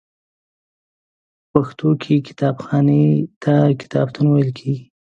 په پښتو کې کتابخانې ته کتابتون ویل کیږی.